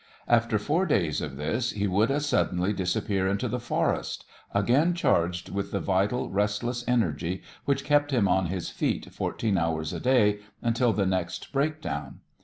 After four days of this, he would as suddenly disappear into the forest, again charged with the vital, restless energy which kept him on his feet fourteen hours a day until the next break down.